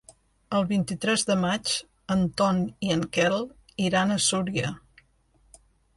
El vint-i-tres de maig en Ton i en Quel iran a Súria.